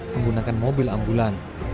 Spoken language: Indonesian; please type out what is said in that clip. menggunakan mobil ambulan